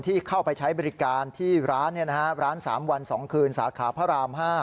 ที่เข้าไปใช้บริการที่ร้านร้าน๓วัน๒คืนสาขาพระราม๕